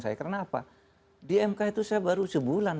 saya kenapa di mk itu saya baru sebulan